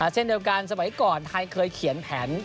เช่นเดียวกันสมัยก่อนไทยเคยเขียนแผน